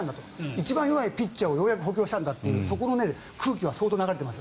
一番弱いピッチャーをようやく補強したんだというそこの空気は相当流れてます。